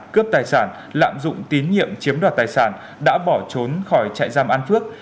cướp tài sản lạm dụng tín nhiệm chiếm đoạt tài sản đã bỏ trốn khỏi trại giam an phước